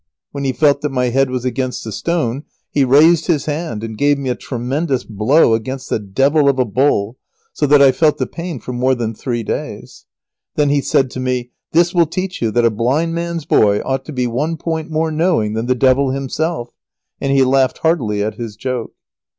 When he felt that my head was against the stone, he raised his hand and gave me a tremendous blow against the devil of a bull, so that I felt the pain for more than three days. [Sidenote: Lazaro and the blind man.] Then he said to me, "This will teach you that a blind man's boy ought to be one point more knowing than the devil himself"; and he laughed heartily at his joke.